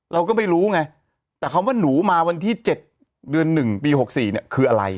เราก็ไม่รู้ไงแต่คำว่าหนูมาวันที่๗เดือน๑ปี๖๔เนี่ยคืออะไร